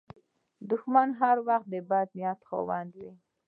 دښمن هر وخت د بد نیت خاوند وي